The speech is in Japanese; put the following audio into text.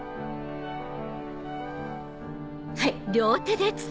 はい。